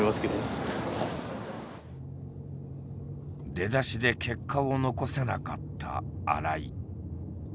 出だしで結果を残せなかった新井。